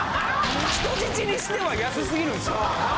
人質にしては安すぎるんすよ。